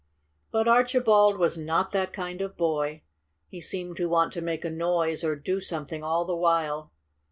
But Archibald was not that kind of boy. He seemed to want to make a noise or do something all the while.